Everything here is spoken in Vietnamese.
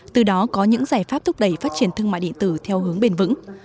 từ đó có những giải pháp thúc đẩy phát triển thương mại điện tử theo hướng bền vững